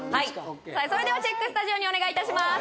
それではチェックスタジオにお願いいたします